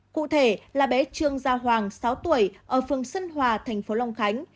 cụ thể là bé trương gia hoàng sáu tuổi ở phường xuân hòa thành phố long khánh